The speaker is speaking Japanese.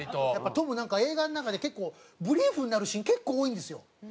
トムなんか映画の中で結構ブリーフになるシーン結構多いんですよ。